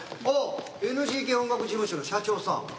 あっＮＧＫ音楽事務所の社長さん。